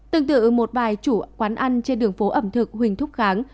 tương tự một vài chủ quán ăn trên đường phố ẩm thực huỳnh thúc kháng